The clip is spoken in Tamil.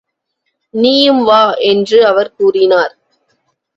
நீயும் வா என்று அவர் கூறினார்.